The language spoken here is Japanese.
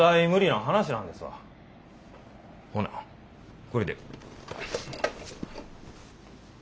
ほなこれで。